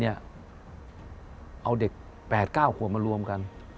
เอาเด็ก๘๙ขวบมารวมกัน